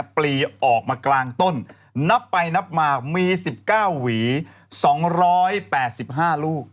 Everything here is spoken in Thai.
ปลีออกมากลางต้นนับไปนับมามี๑๙หวี๒๘๕ลูก